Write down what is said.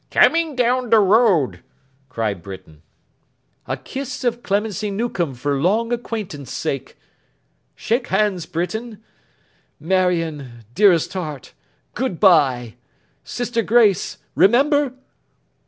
'Coming down the road!' cried Britain. 'A kiss of Clemency Newcome for long acquaintance' sake! Shake hands, Britain! Marion, dearest heart, good bye! Sister Grace! remember!